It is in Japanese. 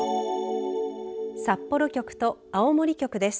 札幌局と青森局です。